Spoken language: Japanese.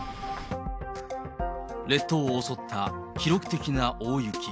列島を襲った記録的な大雪。